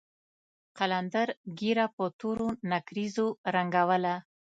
قلندر ږيره په تورو نېکريزو رنګوله.